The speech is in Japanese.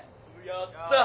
やった！